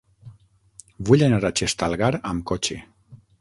Vull anar a Xestalgar amb cotxe.